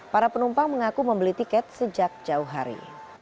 para penumpang mengaku membeli tiket sejak jauh hari